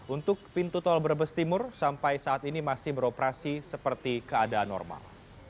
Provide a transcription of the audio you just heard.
untuk pintu tol brebes timur sampai saat ini masih beroperasi seperti keadaan normal